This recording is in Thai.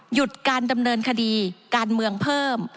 หยุดการดำเนินคดีการเมืองเพิ่ม